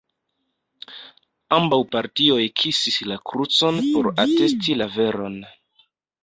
Ambaŭ partioj kisis la krucon por atesti la veron.